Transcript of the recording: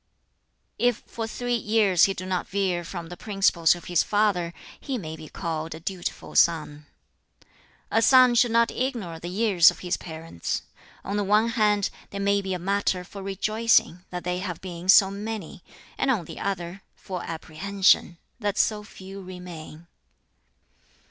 "If for three years he do not veer from the principles of his father, he may be called a dutiful son. "A son should not ignore the years of his parents. On the one hand, they may be a matter for rejoicing (that they have been so many), and on the other, for apprehension (that so few remain).